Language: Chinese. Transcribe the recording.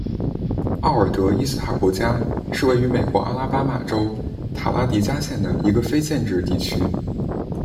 奥尔德伊斯塔博加是位于美国阿拉巴马州塔拉迪加县的一个非建制地区。